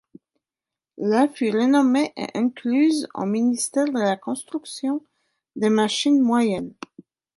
La fut renommée et incluse au Ministère de la construction des machines moyennes.